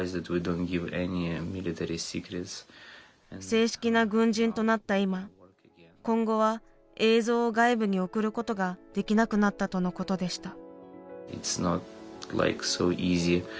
正式な軍人となった今今後は映像を外部に送ることができなくなったとのことでした。